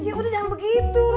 yaudah jangan begitu